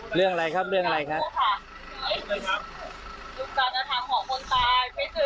เพราะว่าทุกอย่างไม่ใช่เรื่องจริงพี่